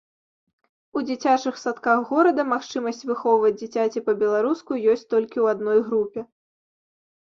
У дзіцячых садках горада магчымасць выхоўваць дзіцяці па-беларуску ёсць толькі ў адной групе.